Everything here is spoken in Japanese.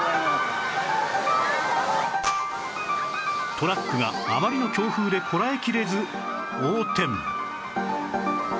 トラックがあまりの強風でこらえきれず横転